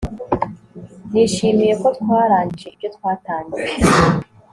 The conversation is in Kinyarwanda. Nishimiye ko twarangije ibyo twatangiye